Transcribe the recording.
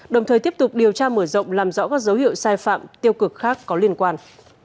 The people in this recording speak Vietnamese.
đồng thời tiếp tục điều tra mở rộng làm rõ các dấu hiệu sai phạm tiêu cực khác có liên quan